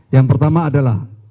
yang pertama adalah